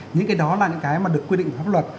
những cái đó là những cái mà được quy định của pháp luật